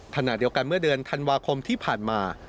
ขณะเดียวกันเมื่อเดือนธันวาคมที่ผ่านมา